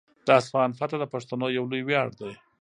د اصفهان فتحه د پښتنو یو لوی ویاړ دی.